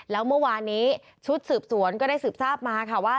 แล้วเมื่อวานนี้ชุดสืบสวนก็ได้สืบทราบมาค่ะว่า